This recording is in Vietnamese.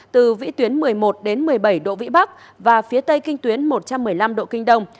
từ vĩ tuyến một mươi một đến một mươi bảy độ vĩ bắc và phía tây kinh tuyến một trăm một mươi năm độ kinh đông